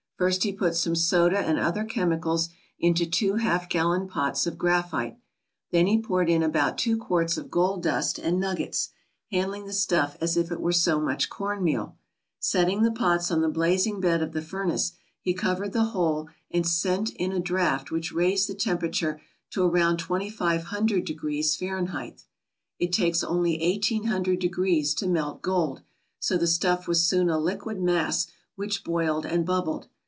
First he put some soda and other chemicals into two half gallon pots of graphite. . Then he poured in about two quarts of gold dust and nuggets, handling the stuff as if it were so much cornmeal. Setting the pots on the blazing bed of the furnace, he covered the whole and sent in a draft which raised the temperature to around twenty five hundred degrees Fahrenheit. It takes 195 ALASKA OUR NORTHERN WONDERLAND only eighteen hundred degrees to melt gold, so the stuff was soon a liquid mass which boiled and bubbled.